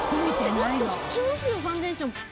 もっとつきますよファンデーション。